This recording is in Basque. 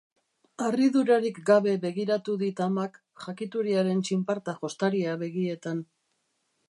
Harridurarik gabe begiratu dit amak, jakituriaren txinparta jostaria begietan.